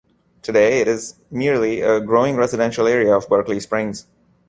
Today, it is merely a growing residential area of Berkeley Springs.